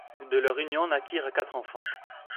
De leur union naquirent quatre enfants.